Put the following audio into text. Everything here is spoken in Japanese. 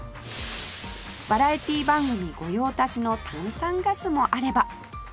バラエティー番組御用達の炭酸ガスもあれば